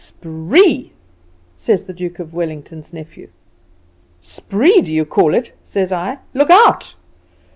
"'Spree!' says the Duke of Wellington's nephew. "'Spree, do you call it? says I. 'Look out.